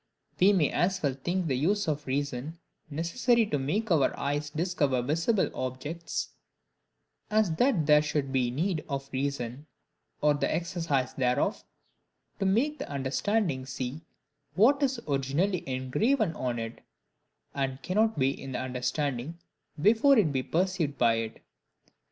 We may as well think the use of reason necessary to make our eyes discover visible objects, as that there should be need of reason, or the exercise thereof, to make the understanding see what is originally engraven on it, and cannot be in the understanding before it be perceived by it.